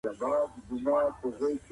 علمي فکر به دوام ومومي.